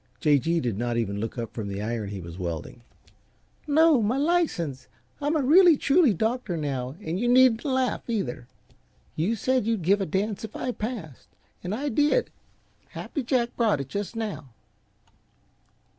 J. G. did not even look up from the iron he was welding. "No, my license. I'm a really, truly doctor now, and you needn't laugh, either. You said you'd give a dance if I passed, and I did. Happy Jack brought it just now."